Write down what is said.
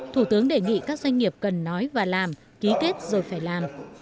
thủ tướng đề nghị các doanh nghiệp cần nói và làm ký kết rồi phải làm